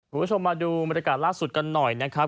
คุณผู้ชมมาดูบรรยากาศล่าสุดกันหน่อยนะครับ